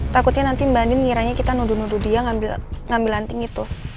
takutnya nanti mbak nin nyiranya kita nuduh nuduh dia ngambil anting itu